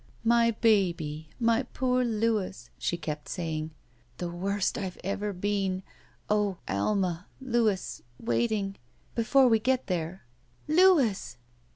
*'My baby! My poor Louis! she kept sajdng. *'The worst IVe ever been. Oh — ^Alma — Louis — waiting — ^before we get there — Louis!'